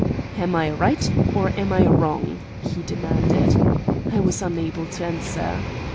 "Am I right, or am I wrong?" he demanded. I was unable to answer.